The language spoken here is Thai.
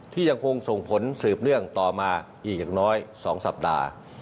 ยังคงส่งผลสืบเนื่องต่อมาอีกอย่างน้อย๒สัปดาห์